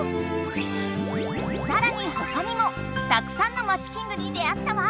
さらにほかにもたくさんのまちキングに出会ったわ！